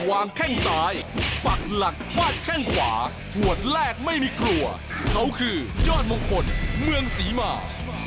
อันนี้คือยอดมงคลเมืองศรีมาร